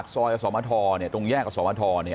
ซอยว์สอบมะทอตรงแยกกับซอบมะทอ